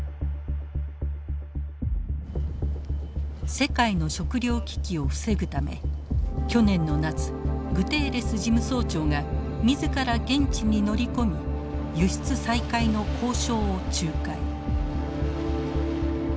世界の食糧危機を防ぐため去年の夏グテーレス事務総長が自ら現地に乗り込み輸出再開の交渉を仲介。